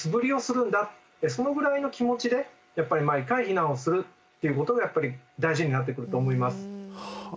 そのぐらいの気持ちでやっぱり毎回避難をするっていうことが大事になってくると思います。